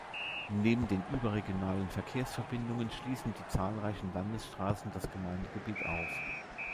Neben den überregionalen Verkehrsverbindungen schließen die zahlreichen Landesstraßen das Gemeindegebiet auf.